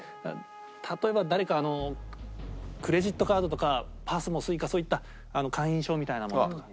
例えば誰かあのクレジットカードとかＰＡＳＭＯＳｕｉｃａそういった会員証みたいなものとか。